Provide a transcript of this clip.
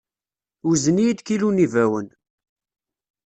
Wzen-iyi-d kilu n yibawen.